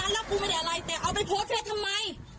แล้วกูไม่ได้อะไรแต่เอาไปโพสต์ไว้ทำไม